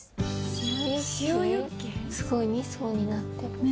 すごい、２層になってる。